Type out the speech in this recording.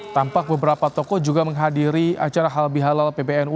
tampak beberapa tokoh juga menghadiri acara halal bihalal pbnu